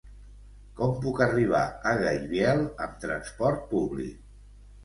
Com puc arribar a Gaibiel amb transport públic?